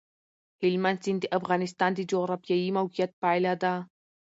هلمند سیند د افغانستان د جغرافیایي موقیعت پایله ده.